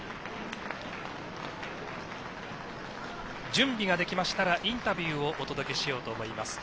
準備ができましたらインタビューをお届けしようと思います。